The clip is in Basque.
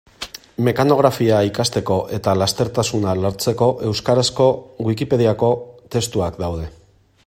Mekanografia ikasteko eta lastertasuna lortzeko euskarazko Wikipediako testuak daude.